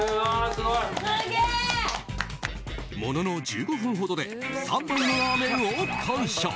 ものの１５分ほどで３杯のラーメンを完食。